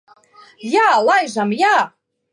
Jā, laižam. Jā.